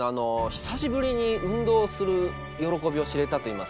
久しぶりに運動する喜びを知れたといいますか。